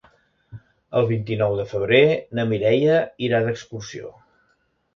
El vint-i-nou de febrer na Mireia irà d'excursió.